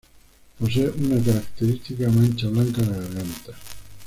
Posee una característica mancha blanca en la garganta.